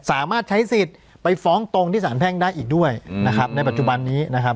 สามารถใช้สิทธิ์ไปฟ้องตรงที่สารแพ่งได้อีกด้วยนะครับในปัจจุบันนี้นะครับ